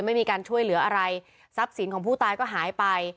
ไม่มีการช่วยเหลืออะไรทรัพย์สินของผู้ตายก็หายไป